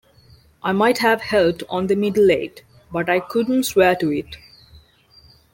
I might have helped on the middle eight, but I couldn't swear to it.